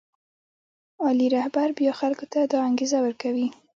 عالي رهبر بیا خلکو ته دا انګېزه ورکوي.